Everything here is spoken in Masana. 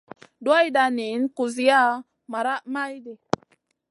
Duwayda niyn kusiya maraʼha maydi.